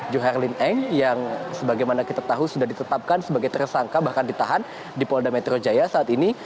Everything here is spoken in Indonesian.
johar lin eng yang sebagaimana kita tahu sudah ditetapkan sebagai tersangka bahkan ditahan di polda metro jaya saat ini